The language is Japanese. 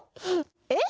えっ？